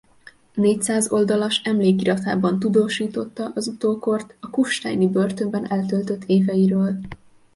Négyszáz oldalas Emlékiratában tudósította az utókort a kufsteini börtönben eltöltött éveiről.